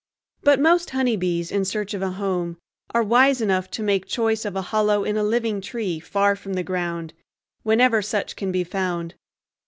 But most honeybees in search of a home are wise enough to make choice of a hollow in a living tree far from the ground, whenever such can be found.